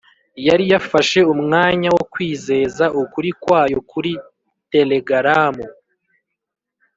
yari yafashe umwanya wo kwizeza ukuri kwayo kuri telegaramu